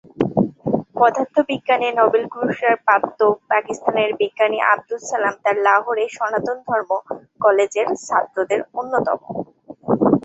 পদার্থবিজ্ঞানে নোবেল পুরস্কার প্রাপ্ত পাকিস্তানের বিজ্ঞানী আবদুস সালাম তার লাহোরে সনাতন ধর্ম কলেজের ছাত্রদের অন্যতম।